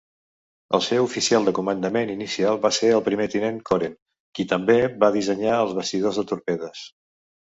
El seu oficial de comandament inicial va ser el primer tinent Koren, qui també va dissenyar els bastidors de torpedes.